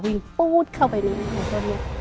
วิ่งปู๊ดเข้าไปในนี้